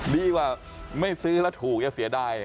ดีกว่าไม่ซื้อแล้วถูกอย่าเสียดาย